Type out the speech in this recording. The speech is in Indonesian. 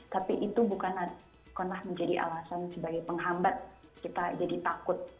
tapi itu bukan pernah menjadi alasan sebagai penghambat kita jadi takut